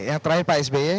yang terakhir pak sby